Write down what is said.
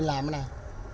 đó là mình làm thế này